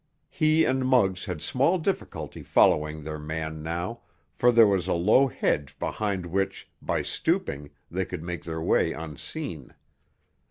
He and Muggs had small difficulty following their man now, for there was a low hedge behind which, by stooping, they could make their way unseen.